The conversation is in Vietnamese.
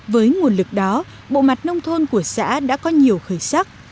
với nguồn lực đó bộ mặt nông thôn của xã đã có nhiều khởi sắc